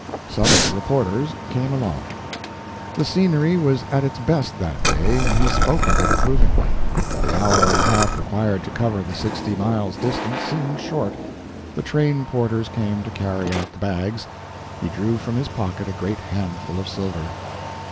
Some of the reporters came along. The scenery was at its best that day, and he spoke of it approvingly. The hour and a half required to cover the sixty miles' distance seemed short. The train porters came to carry out the bags. He drew from his pocket a great handful of silver.